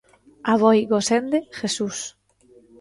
Aboi Gosende, Jesús.